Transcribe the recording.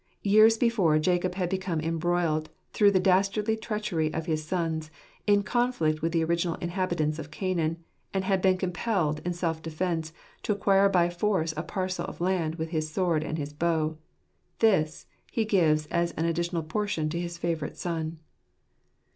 Years before, Jacob had become embroiled through the dastardly treachery of his sons, in conflict with the original inhabitants of Canaan, and had been compelled, in self defence, to acquire by force a parcel of land, with his sword and with his bow. This he gave as an additional portion to his favourite son.